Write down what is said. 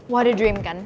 what a dream kan